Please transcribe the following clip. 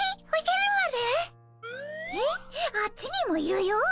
あっちにもいるよ？